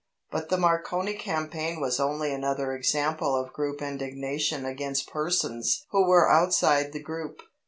But the Marconi campaign was only another example of group indignation against persons who were outside the group.